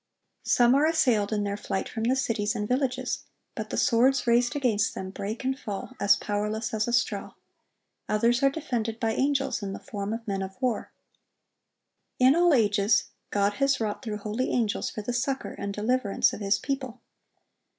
Some are assailed in their flight from the cities and villages; but the swords raised against them break and fall as powerless as a straw. Others are defended by angels in the form of men of war. In all ages, God has wrought through holy angels for the succor and deliverance of His people.